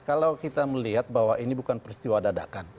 kalau kita melihat bahwa ini bukan peristiwa dadakan